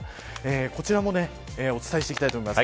こちらもお伝えしていきたいと思います。